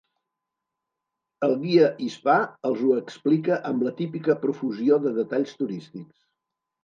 El guia hispà els ho explica amb la típica profusió de detalls turístics.